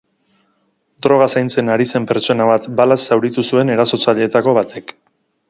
Droga zaintzen ari zen pertsona bat balaz zauritu zuen erasotzaileetako batek.